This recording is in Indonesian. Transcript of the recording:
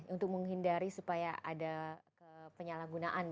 untuk menghindari supaya ada penyalahgunaan